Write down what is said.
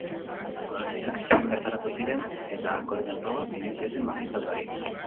Udaltzainak bertaratu ziren, eta alkoholemia-proba egin zioten magistratuari.